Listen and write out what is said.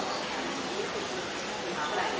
สวัสดีครับสวัสดีครับ